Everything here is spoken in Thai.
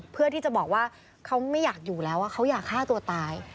เพื่อที่จะบอกว่าเขาไม่อยากอยู่แล้วเขาอยากฆ่าตัวตาย